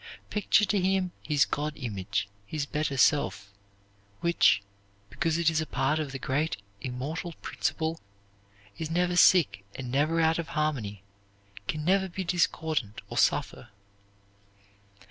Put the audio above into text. Picture to him his God image, his better self, which, because it is a part of the great immortal principle, is never sick and never out of harmony, can never be discordant or suffer.